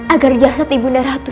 agar jahat ibu daratu